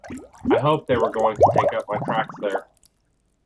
I hoped they were going to take up my tracks there.